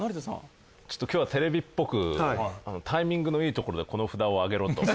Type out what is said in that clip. ちょっと今日はテレビっぽくタイミングのいいところでこの札を上げろと。